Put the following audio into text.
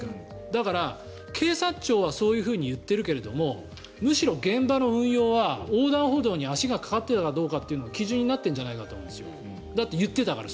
だから、警察庁はそういうふうに言ってるけどむしろ現場の運用は横断歩道に足がかかっていたかどうかは基準になっているんじゃないかと思うんですよだって、言ってたから。